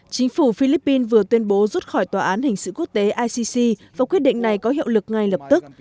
chính phủ philippines vừa tuyên bố rút khỏi tòa án hình sự quốc tế icc và quyết định này có hiệu lực ngay lập tức